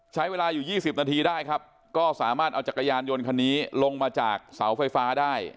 ใช้เวลาอยู่๒๐นาทีได้ครับก็สามารถเอาจักรยานยนต์คันนี้ลงมาจากเสาไฟฟ้าได้